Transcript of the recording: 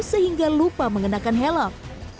sehingga lupa mengenakan helm